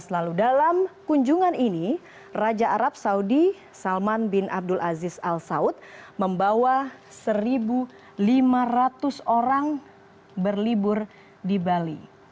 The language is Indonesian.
lalu dalam kunjungan ini raja arab saudi salman bin abdul aziz al saud membawa satu lima ratus orang berlibur di bali